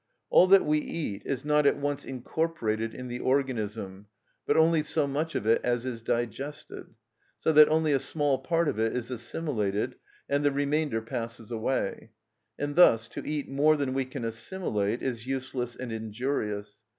All that we eat is not at once incorporated in the organism, but only so much of it as is digested; so that only a small part of it is assimilated, and the remainder passes away; and thus to eat more than we can assimilate is useless and injurious.